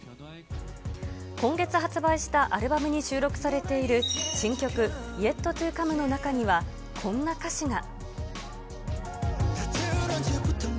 今月発売したアルバムに収録されている新曲、イェット・トゥ・カムの中には、こんな歌詞が。